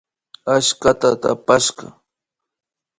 Achskata takashpa